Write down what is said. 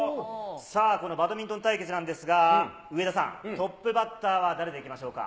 さあ、このバドミントン対決なんですが、上田さん、トップバッターは誰でいきましょうか？